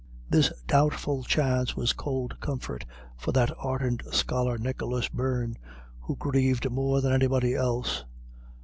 This doubtful chance was cold comfort for that ardent scholar Nicholas O'Beirne, who grieved more than anybody else.